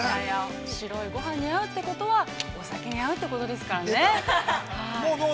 ◆白いごはんに合うってことはお酒に合うってことですからね。